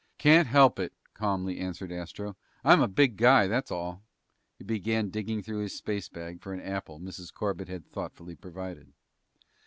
"Can't help it," calmly answered Astro. "I'm a big guy, that's all." He began digging through his space bag for an apple Mrs. Corbett had thoughtfully provided.